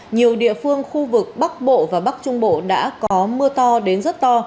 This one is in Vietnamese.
nhiều địa phương khu vực bắc bộ và bắc trung bộ đã có mưa to đến rất to